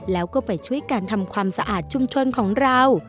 แล้วก็ไปช่วยการทำความสะอาดชุมชนของเรา